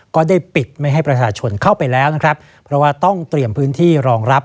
ก็ได้ปิดไม่ให้ประชาชนเข้าไปแล้วนะครับเพราะว่าต้องเตรียมพื้นที่รองรับ